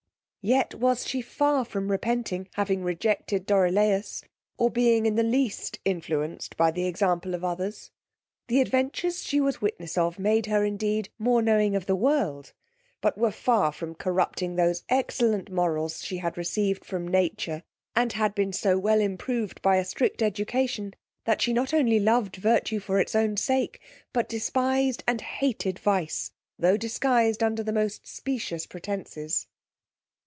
Yet was she far from repenting having rejected Dorilaus, or being in the lead influenced by the example of others. The adventures she was witness of made her, indeed, more knowing of the world, but were far from corrupting those excellent morals she had received from nature, and had been so well improved by a strict education, that she not only loved virtue for its own sake, but despised and hated vice, tho' disguised under the most specious pretences.